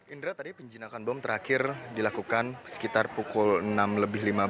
indra tadi penjinakan bom terakhir dilakukan sekitar pukul enam lebih lima belas